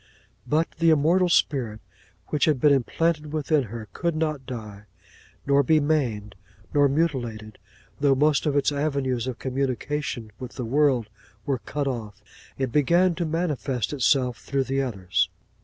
'But the immortal spirit which had been implanted within her could not die, nor be maimed nor mutilated; and though most of its avenues of communication with the world were cut off, it began to manifest itself through the others.